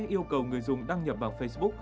yêu cầu người dùng đăng nhập bằng facebook